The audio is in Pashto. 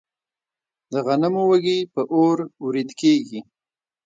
د غنمو وږي په اور وریت کیږي.